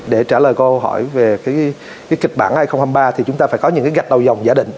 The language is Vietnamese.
để trả lời câu hỏi về cái kịch bản hai nghìn hai mươi ba thì chúng ta phải có những cái gạch đầu dòng giả định